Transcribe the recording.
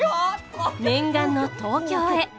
念願の東京へ。